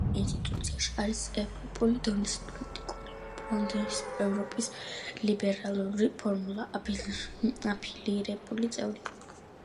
ევროპულ-ქართული ინსტიტუტი არის ევროპული დონის პოლიტიკური ფონდის, ევროპის ლიბერალური ფორუმის, აფილირებული წევრი.